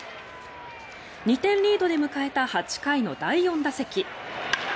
２点リードで迎えた８回の第４打席。